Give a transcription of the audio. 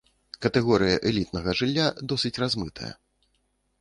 Катэгорыя элітнага жылля досыць размытая.